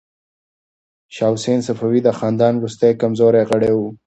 شاه حسین د صفوي خاندان وروستی کمزوری غړی و.